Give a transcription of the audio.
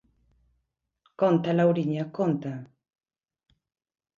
–Conta, Lauriña, conta.